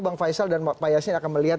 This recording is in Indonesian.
bang faisal dan pak yasin akan melihat